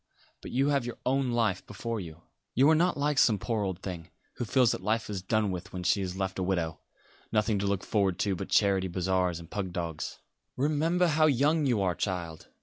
But you have your own life before you. You are not like some poor old thing, who feels that life is done with when she is left a widow; nothing to look forward to but charity bazaars and pug dogs. Remember how young you are, child!